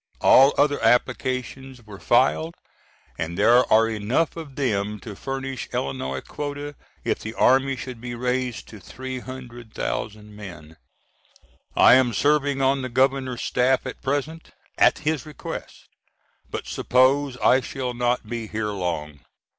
All other applications were filed, and there are enough of them to furnish Illinois quota if the Army should be raised to 300,000 men. I am serving on the Governor's staff at present at his request, but suppose I shall not be here long.